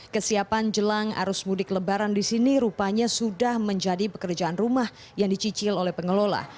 kesiapan jelang arus mudik lebaran di sini rupanya sudah menjadi pekerjaan rumah yang dicicil oleh pengelola